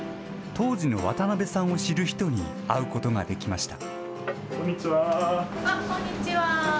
当時の渡辺さんを知る人に会うことができました。